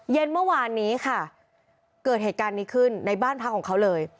เย็นเมื่อวานนี้ค่ะเกิดเหตุการณ์นี้ขึ้นในบ้านพักของเขาเลย